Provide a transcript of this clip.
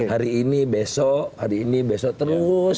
hari ini besok hari ini besok terus